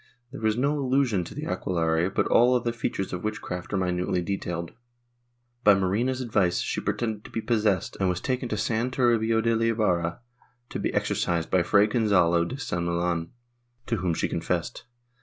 There is no allusion to the aquelarre, but all other features of witchcraft are minutely detailed. By Marina's advice, she pretended to be possessed, and was taken to San Toribio de Liebara to be exorcised by Fray Gonzalo de San Millan, to whom she confessed.